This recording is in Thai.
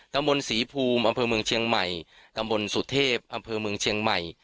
มนต์ศรีภูมิอำเภอเมืองเชียงใหม่ตำบลสุเทพอำเภอเมืองเชียงใหม่